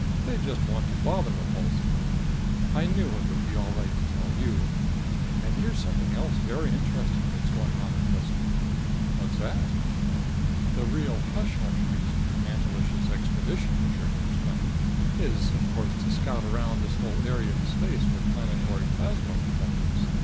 "They'd just want to bother Repulsive!" "I knew it would be all right to tell you. And here's something else very interesting that's going on at present." "What's that?" "The real hush hush reason for Mantelish's expedition," Trigger explained, "is, of course, to scout around this whole area of space with planetary plasmoid detectors.